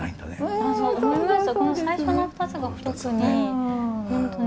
この最初の２つが特に本当に。